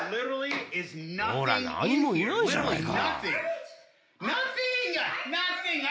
ほら、何もいないじゃないか。